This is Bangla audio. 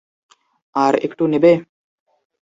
আর একটু নেবে?